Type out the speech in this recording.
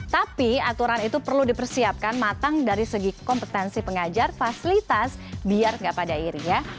tapi aturan itu perlu dipersiapkan matang dari segi kompetensi pengajar fasilitas biar nggak pada iri ya